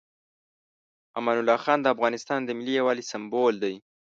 امان الله خان د افغانستان د ملي یووالي سمبول دی.